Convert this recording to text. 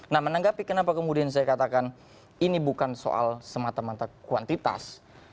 nah menanggapi kenapa kemudian saya katakan ini bukan soal semata mata kuantitas